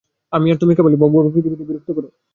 আর তুমি কেবলই বকবক কর ও পৃথিবীকে বিরক্ত কর।